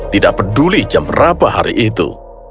tidak peduli jam berapa hari itu